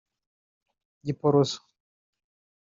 Giporoso